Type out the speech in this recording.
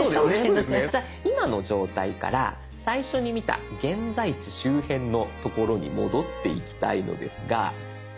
じゃあ今の状態から最初に見た現在地周辺のところに戻っていきたいのですが。